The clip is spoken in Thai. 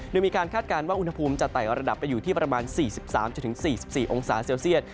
โดยมีการคาดการณ์ว่าอุณหภูมิจะไต่ระดับไปอยู่ที่ประมาณ๔๓๔๔องศาเซลเซียต